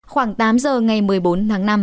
khoảng tám giờ ngày một mươi bốn tháng năm